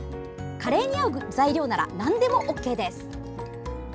カレーに合う材料ならなんでもＯＫです。